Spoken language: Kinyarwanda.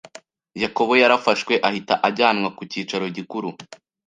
Yakobo yarafashwe ahita ajyanwa ku cyicaro gikuru.